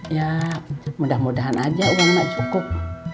ya mudah mudahan aja uangnya cukup